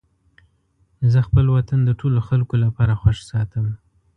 زه خپل وطن د ټولو خلکو لپاره خوښ ساتم.